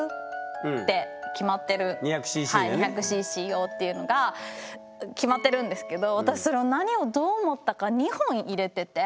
２００ｃｃ用っていうのが決まってるんですけど私それを何をどう思ったか２本入れてて。